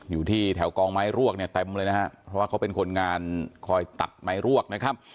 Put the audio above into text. อยู่ที่แถวกองไม้รวกเต็มเลยเพราะว่าเป็นคนงานคอยตัดไม้รวก